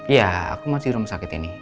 ya aku masih rumah sakit ini